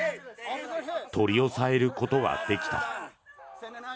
取り押さえることができた。